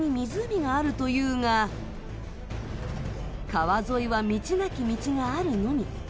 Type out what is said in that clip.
川沿いは道なき道があるのみ。